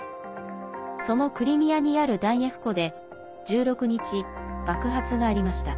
そのクリミアにある弾薬庫で１６日、爆発がありました。